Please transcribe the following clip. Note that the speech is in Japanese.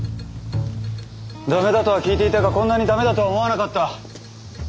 駄目だとは聞いていたがこんなに駄目だとは思わなかった。